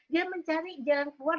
dia mencari jalan keluar